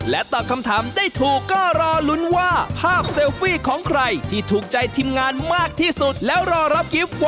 และป้ายนี้ราคาไม่แพงครับ